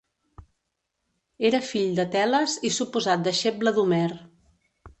Era fill de Teles i suposat deixeble d'Homer.